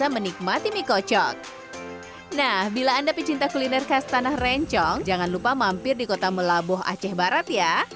mie kocok aceh barat